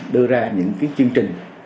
đưa ra những chương trình